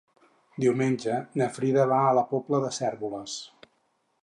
Diumenge na Frida va a la Pobla de Cérvoles.